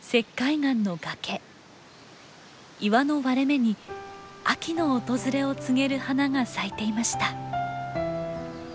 岩の割れ目に秋の訪れを告げる花が咲いていました。